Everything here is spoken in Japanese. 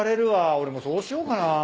俺もそうしようかな。